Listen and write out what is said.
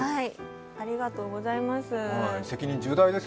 ありがとうございます。